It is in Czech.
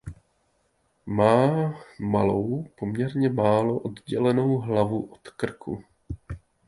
Má malou poměrně málo oddělenou hlavu od krku.